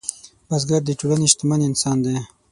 بزګر د ټولنې شتمن انسان دی